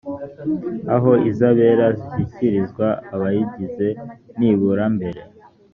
aho izabera zishyikirizwa abayigize nibura mbere